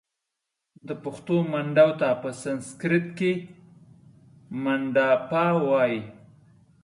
د پښتو منډو Mandaw ته په سنسیکرت کښې Mandapa وايي